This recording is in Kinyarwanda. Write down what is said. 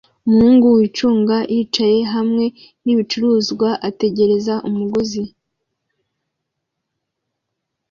Umuhungu wicunga yicaye hamwe nibicuruzwa ategereza umuguzi